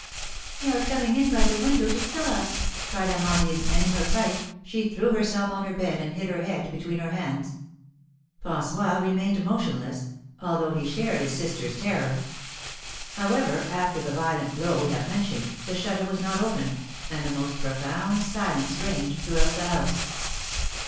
"They are coming in by the window to kill us!" cried Amandine, and, in her fright, she threw herself on her bed and hid her head between her hands. François remained motionless, although he shared his sister's terror. However, after the violent blow we have mentioned, the shutter was not opened, and the most profound silence reigned throughout the house.